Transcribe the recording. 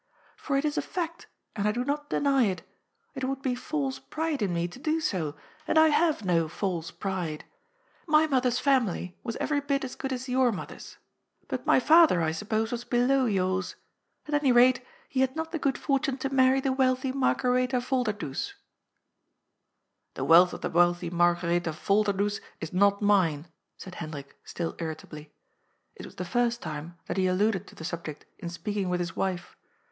For it is a fact, and I do not deny it. It would be false pride in me to do so, and I have no false pride. My mother's family was every bit as good as your mother's, but my father, I suppose, was below yours. At any rate, he had not the good fortune to marry the wealthy Margaretha Volderdoes." " The wealth of the wealthy Margaretha Volderdoes is not mine," said Hendrik, still irritably. It was the first time that he alluded to the subject in speaking with, his wife.